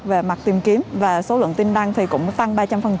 về mặt tìm kiếm và số lượng tin đăng thì cũng tăng ba trăm linh